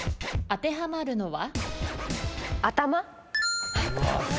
当てはまるのは？